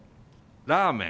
「ラーメン」。